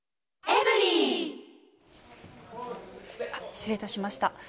失礼いたしました。